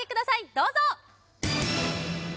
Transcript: どうぞ！